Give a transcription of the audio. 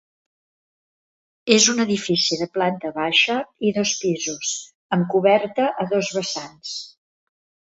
És un edifici de planta baixa i dos pisos amb coberta a dos vessants.